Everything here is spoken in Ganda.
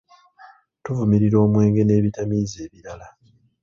Tuvumirira omwenge n'ebitamiiza ebirala.